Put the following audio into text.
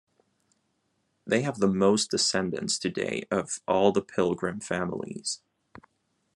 They have the most descendants today of all the pilgrim families.